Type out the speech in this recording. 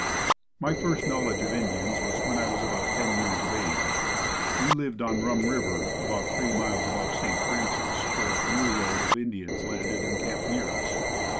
My first knowledge of Indians was when I was about ten years of age. We lived on Rum river about three miles above St. Francis, where a canoe load of Indians landed and camped near us.